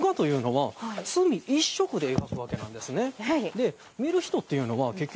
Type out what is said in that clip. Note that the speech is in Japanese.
はい。